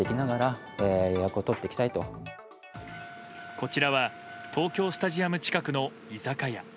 こちらは東京スタジアム近くの居酒屋。